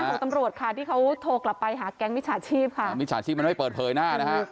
ของตำรวจค่ะที่เขาโทรกลับไปหาแก๊งมิจฉาชีพค่ะมิจฉาชีพมันไม่เปิดเผยหน้านะฮะ